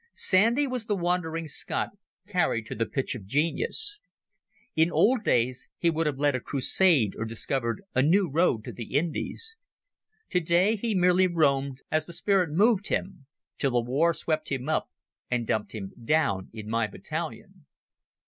Sandy was the wandering Scot carried to the pitch of genius. In old days he would have led a crusade or discovered a new road to the Indies. Today he merely roamed as the spirit moved him, till the war swept him up and dumped him down in my battalion.